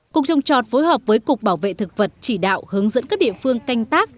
cục trồng trọt phối hợp với cục bảo vệ thực vật chỉ đạo hướng dẫn các địa phương canh tác